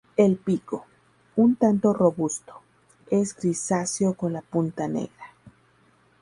El pico, un tanto robusto, es grisáceo con la punta negra.